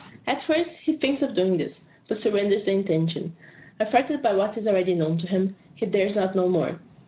At first he thinks of doing this; but surrenders the intention. Affrighted by what is already known to him, he dares not know more.